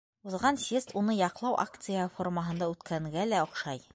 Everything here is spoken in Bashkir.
Уҙған съезд уны яҡлау акцияһы формаһында үткәнгә лә оҡшай.